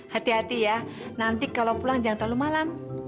hati hati ya nanti kalau pulang jangan terlalu malam